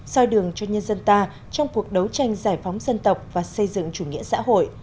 soi đường cho nhân dân ta trong cuộc đấu tranh giải phóng dân tộc và xây dựng chủ nghĩa xã hội